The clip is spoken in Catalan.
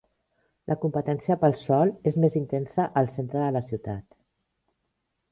La competència pel sòl és més intensa al centre de la ciutat.